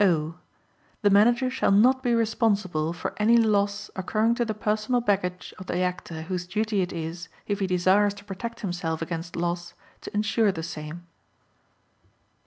(O) The Manager shall not be responsible for any loss occurring to the personal baggage of the Actor whose duty it is, if he desires to protect himself against loss, to insure the same.